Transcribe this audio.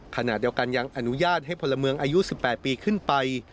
ขณะเดียวกันยังอนุญาตให้พลเมืองอายุ๑๘ปีขึ้นไป